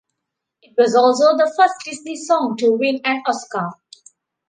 It was also the first Disney song to win an Oscar.